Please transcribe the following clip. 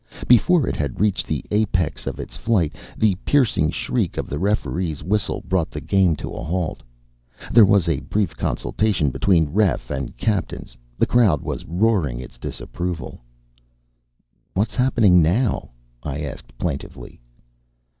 Before it had reached the apex of its flight, the piercing shriek of the referee's whistle brought the game to a halt. There was a brief consultation between ref and captains; the crowd was roaring its disapproval. "What's happening now?" I asked plaintively.